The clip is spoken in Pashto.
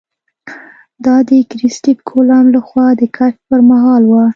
دا د کرسټېف کولمب له خوا د کشف پر مهال وه.